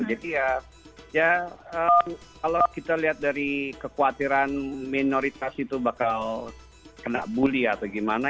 jadi ya kalau kita lihat dari kekhawatiran minoritas itu bakal kena bully atau gimana